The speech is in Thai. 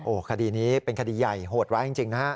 โอ้คดีนี้เป็นคดีใหญ่โหดว้ายจริงนะครับ